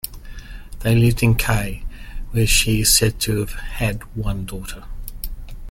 They lived in Kai, where she is said to have had one daughter.